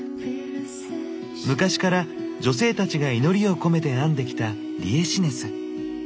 昔から女性たちが祈りをこめて編んできたリエシネス。